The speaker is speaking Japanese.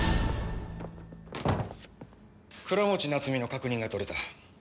倉持夏美の確認が取れた。